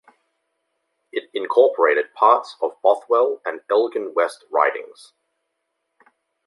It incorporated parts of Bothwell and Elgin West ridings.